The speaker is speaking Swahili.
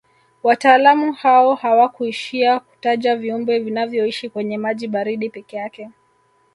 Wataalamu hao hawakuishia kutaja viumbe vinavyoishi kwenye maji baridi peke yake